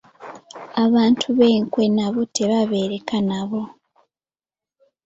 Abantu b'enkwe nabo tebabeereka nabo.